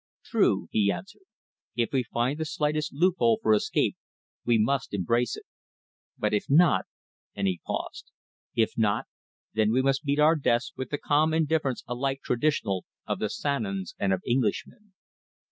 "True," he answered. "If we find the slightest loop hole for escape we must embrace it. But if not " and he paused. "If not, then we must meet our deaths with the calm indifference alike traditional of the Sanoms and of Englishmen."